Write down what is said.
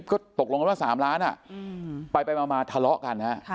ก็ตกลงแล้วว่าสามล้านอ่ะไปไปมามาทะเลาะกันอ่ะ